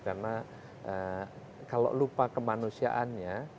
karena kalau lupa kemanusiaannya